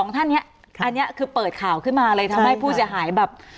ท่านเนี่ยอันนี้คือเปิดข่าวขึ้นมาเลยทำให้ผู้เสียหายแบบ